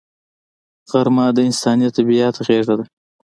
غرمه د انساني طبیعت غېږه ده